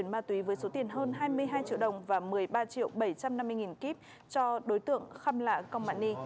ma túy với số tiền hơn hai mươi hai triệu đồng và một mươi ba triệu bảy trăm năm mươi nghìn kíp cho đối tượng khăm lạ công bạn ni